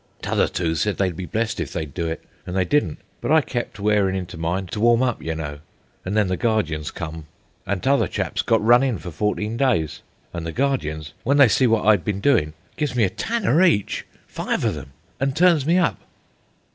T'other two said they'd be blessed if they do it, an' they didn't; but I kept wearin' into mine to warm up, you know. An' then the guardians come, an' t'other chaps got run in for fourteen days, an' the guardians, w'en they see wot I'd been doin', gives me a tanner each, five o' them, an' turns me up."